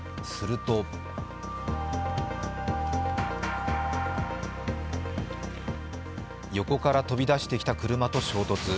すると横から飛び出してきた車と衝突。